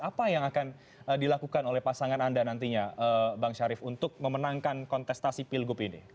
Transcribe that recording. apa yang akan dilakukan oleh pasangan anda nantinya bang syarif untuk memenangkan kontestasi pilgub ini